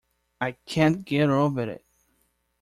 I can’t get over it.